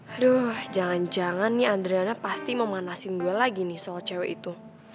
aduh jangan jangan nih adriana pasti memanasin gue lagi nih soal cewek itu